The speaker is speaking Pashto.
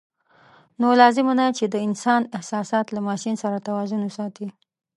نو لازم ده چې د انسان احساسات له ماشین سره توازن وساتي.